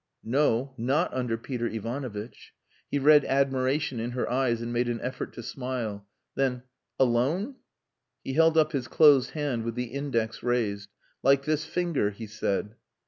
"No, not under Peter Ivanovitch." He read admiration in her eyes, and made an effort to smile. "Then alone?" He held up his closed hand with the index raised. "Like this finger," he said.